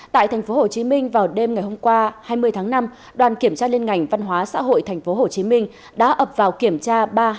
tại tp hcm vào đêm ngày hôm qua hai mươi tháng năm đoàn kiểm tra liên ngành văn hóa xã hội tp hcm đã ập vào kiểm tra ba nghìn hai trăm một mươi hai